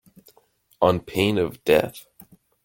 On pain of death.